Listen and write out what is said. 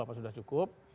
apa sudah cukup